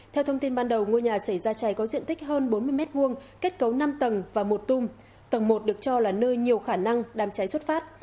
theo thông tin ban đầu ngôi nhà xảy ra cháy có diện tích hơn bốn mươi m hai kết cấu năm tầng và một tung tầng một được cho là nơi nhiều khả năng đám cháy xuất phát